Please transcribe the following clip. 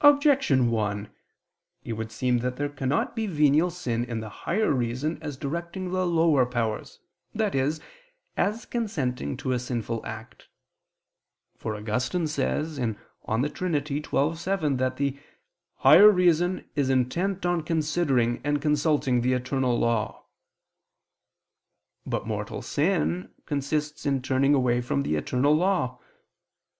Objection 1: It would seem that there cannot be venial sin in the higher reason as directing the lower powers, i.e. as consenting to a sinful act. For Augustine says (De Trin. xii, 7) that the "higher reason is intent on considering and consulting the eternal law." But mortal sin consists in turning away from the eternal law.